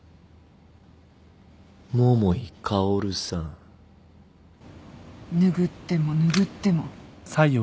桃井薫さん拭っても拭っても。